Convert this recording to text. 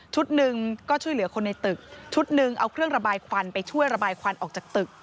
หนึ่งก็ช่วยเหลือคนในตึกชุดหนึ่งเอาเครื่องระบายควันไปช่วยระบายควันออกจากตึก